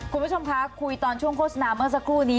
คุณผู้ชมคะคุยตอนช่วงโฆษณาเมื่อสักครู่นี้